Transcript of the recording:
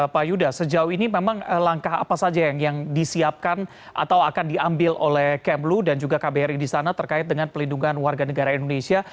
pak yuda sejauh ini memang langkah apa saja yang disiapkan atau akan diambil oleh kmlu dan juga kbri di sana terkait dengan pelindungan warga negara indonesia